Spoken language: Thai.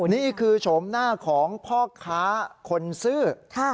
นี่คือโฉมหน้าของพ่อค้าคนซื้อ